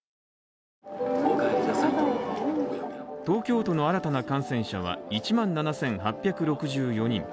東京都の新たな感染者は１万７８６４人。